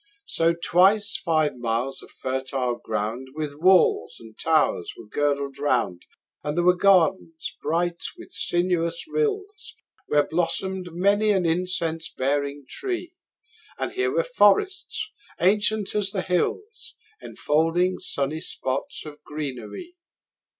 5 So twice five miles of fertile ground With walls and towers were girdled round: And there were gardens bright with sinuous rills Where blossom'd many an incense bearing tree; And here were forests ancient as the hills, 10 Enfolding sunny spots of greenery.